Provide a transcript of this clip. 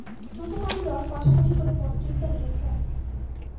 প্রথম আলো দর কষাকষি করে মন্ত্রিত্ব নিয়েছেন।